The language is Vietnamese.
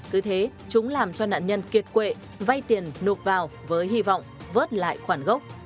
cứ thế chúng làm cho nạn nhân kiệt quệ vay tiền nộp vào với hy vọng vớt lại khoản gốc